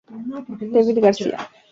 David García fue su primer entrenador.